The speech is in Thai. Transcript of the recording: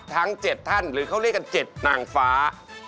ทั้ง๗ท่านหรือเขาเรียกกัน๗นางฟ้า